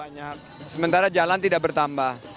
banyak sementara jalan tidak bertambah